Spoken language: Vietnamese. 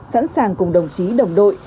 sẵn sàng cùng đồng chí đồng đội